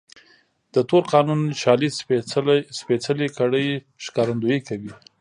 د تور قانون شالید سپېڅلې کړۍ ښکارندويي کوي.